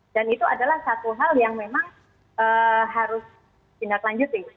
dan itu adalah satu hal yang memang harus tindak lanjut ini